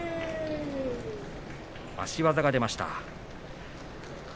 足技が出ました。